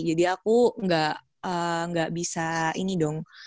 jadi aku gak bisa ini dong